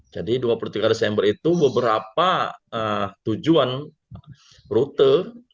jadi dua puluh tiga desember itu beberapa tujuan rute